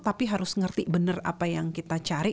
tapi harus mengerti benar apa yang kita cari